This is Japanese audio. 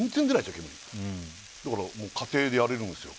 煙うんだからもう家庭でやれるんですよ